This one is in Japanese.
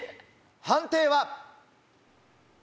判定は？